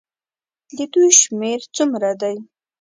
د دوی شمېر څومره دی.